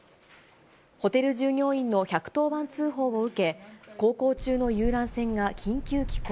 ホテル従業員の１１０番通報を受け、航行中の遊覧船が緊急寄港。